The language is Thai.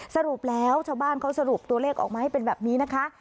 สรุปแล้วชาวบ้านเขาสรุปตัวเลขออกมาให้เป็นแบบนี้นะคะ